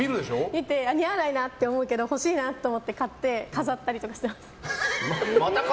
見て、似合わないなって思うけど欲しいなと思って買って、飾ったりとかしてます。